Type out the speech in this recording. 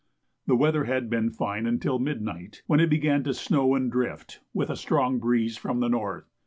The weather had been fine until midnight, when it began to snow and drift, with a strong breeze from the north.